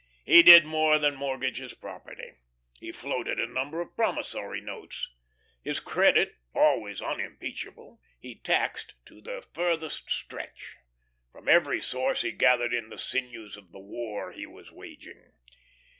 He did more than mortgage his property; he floated a number of promissory notes. His credit, always unimpeachable, he taxed to its farthest stretch; from every source he gathered in the sinews of the war he was waging.